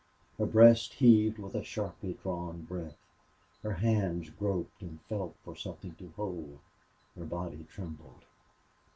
Her breast heaved with a sharply drawn breath; her hands groped and felt for something to hold; her body trembled.